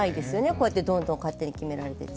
こうやって、どんどん勝手に決められていくと。